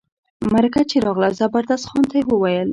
مرکه چي راغله زبردست خان ته وویل.